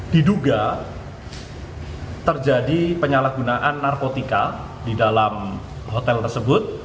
diduga terjadi penyalahgunaan narkotika di dalam hotel tersebut